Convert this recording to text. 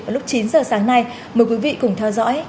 vào lúc chín giờ sáng nay mời quý vị cùng theo dõi